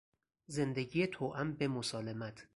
زندگی توأم به مسالمت